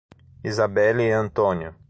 Isabelly e Antônio